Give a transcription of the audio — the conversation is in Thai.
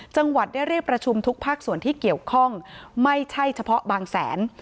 จังหวัดได้เรียกประชุมทุกภาคส่วนที่เกี่ยวข้องไม่ใช่เฉพาะบางแสน